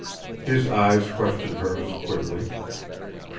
His eyes questioned hers quickly.